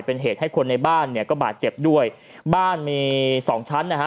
เป็นเหตุให้คนในบ้านเนี่ยก็บาดเจ็บด้วยบ้านมีสองชั้นนะฮะ